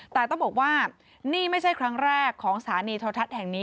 แต่ต้องบอกว่านี่ไม่ใช่ครั้งแรกของสถานีโทรทัศน์แห่งนี้